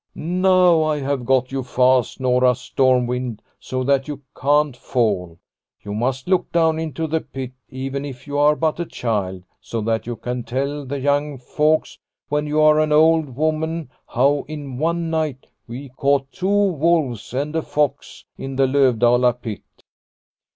" Now I have got you fast, Nora Stormwind, so that you can't fall. You must look down into the pit, even if you are but a child, so that you can tell the young folks when you are an old woman how, in one night, we caught two wolves and a fox in the Lovdala pit